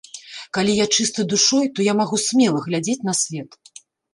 Калі я чысты душой, то я магу смела глядзець на свет.